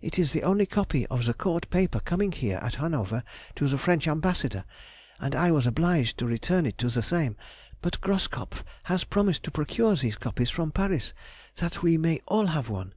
It is the only copy of the Court paper coming here at Hanover to the French Ambassador, and I was obliged to return it to the same; but Groskopf has promised to procure these copies from Paris, that we may all have one.